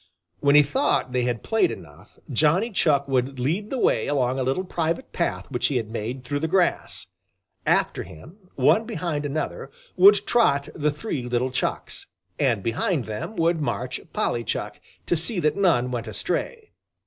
When he thought they had played enough, Johnny Chuck would lead the way along a little private path which he had made through the grass. After him, one behind another, would trot the three little Chucks, and behind them would march Polly Chuck, to see that none went astray.